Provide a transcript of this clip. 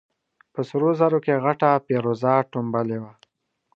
په سرو زرو کې غټه فېروزه ټومبلې وه.